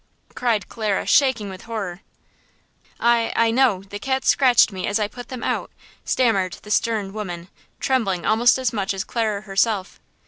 cried Clara, shaking with horror. "I–I know; the cats scratched me as I put them out," stammered the stern woman, trembling almost as much as Clara herself.